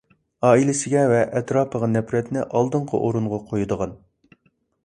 ئائىلىسىگە ۋە ئەتراپىغا نەپرەتنى ئالدىنقى ئورۇنغا قويىدىغان.